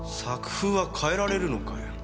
作風は変えられるのかよ？